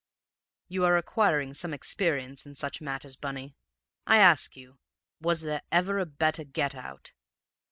You are acquiring some experience in such matters, Bunny. I ask you, was there ever a better get out?